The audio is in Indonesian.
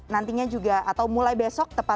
nantinya juga atau mulai besok